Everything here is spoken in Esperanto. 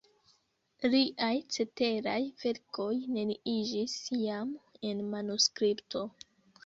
Liaj ceteraj verkoj neniiĝis jam en manuskripto.